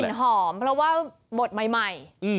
ก็มีกลิ่นหอมเพราะว่าบดใหม่